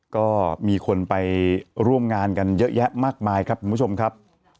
ก็มีคนไปร่วมงานกันเยอะแยะมากมายครับคุณผู้ชมครับ